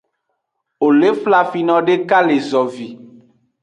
Wo le flafino deka le zovi.